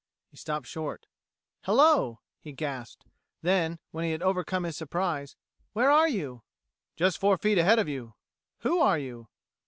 He stopped short. "Hello," he gasped; then, when he had overcome his surprise, "Where are you?" "Just four feet ahead of you." "Who are you?"